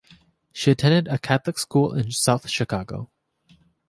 She attended a Catholic school in South Chicago.